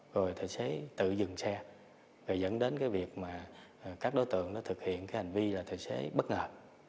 rồi tài xế tự dừng xe rồi dẫn đến cái việc mà các đối tượng nó thực hiện cái hành vi là tài xế bất ngờ